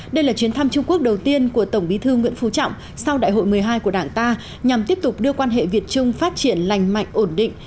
đây là chuyến thăm trung quốc đầu tiên của tổng bí thư nguyễn phú trọng sau đại hội một mươi hai của đảng ta nhằm tiếp tục đưa quan hệ việt trung phát triển lành mạnh ổn định